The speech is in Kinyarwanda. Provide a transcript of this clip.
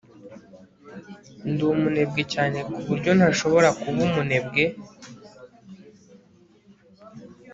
ndi umunebwe cyane ku buryo ntashobora kuba umunebwe